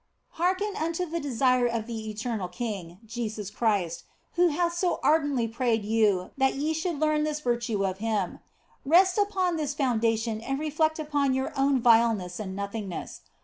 Hearken unto the desire of the eternal King, Jesus Christ, who hath so ardently prayed you that ye should learn this virtue of Him. Rest upon this founda tion and reflect upon your own vileness and nothingness.